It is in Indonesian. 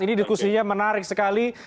ini diskusinya menarik sekali